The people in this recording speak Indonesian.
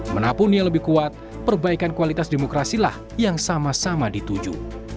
menapun dia lebih kuat perbaikan kualitas demokrasilah yang sama sama dituju